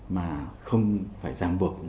mà không phải giảm bược